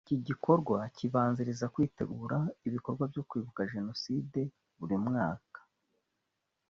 iki gikorwa kibanziriza kwitegura ibikorwa byo kwibuka Jenoside buri mwaka